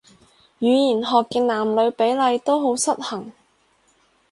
語言學嘅男女比例都好失衡